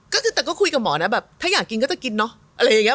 ก็คุยกับหมอนะแบบถ้าอยากกินก็จะกินเนาะ